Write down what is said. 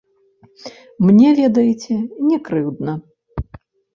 Мне, ведаеце, не крыўдна.